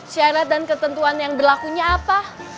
syarat dan ketentuan yang berlakunya apa